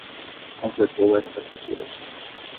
Completou esta pintura